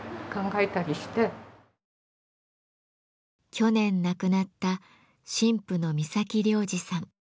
去年亡くなった神父の三崎良次さん。